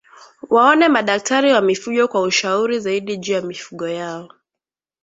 Waone madaktari wa mifugo kwa ushauri zaidi juu ya mifugo yako